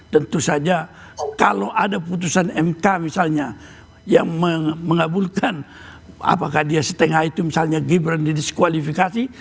tentu saja kalau ada putusan mk misalnya yang mengabulkan apakah dia setengah itu misalnya gibran didiskualifikasi